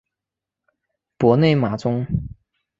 博内马宗。